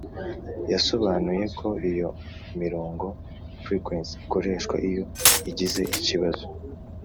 yasobanuye ko iyo imirongo (frequence) ikoreshwa iyo igize ikibazo